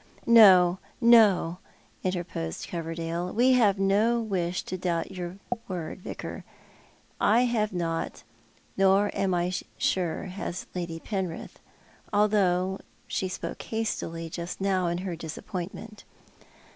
" No, no," interposed Coverdale, " we have no wish to doubt your word. Vicar. I have not, nor I am sure has Lady Penrith, though she spoke hastily just now in her disappointment.